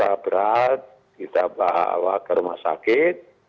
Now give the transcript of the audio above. gejala berat kita bawa ke rumah sakit